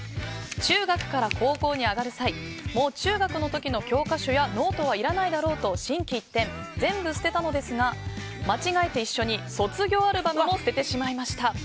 中学から高校に上がる際もう中学の時の教科書やノートはいらないだろうと心機一転、全部捨てたのですが間違えて一緒に卒業アルバムも捨ててしまいました。